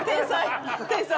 天才。